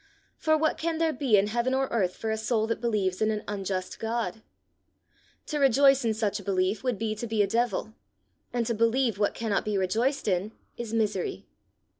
For what can there be in heaven or earth for a soul that believes in an unjust God? To rejoice in such a belief would be to be a devil, and to believe what cannot be rejoiced in, is misery.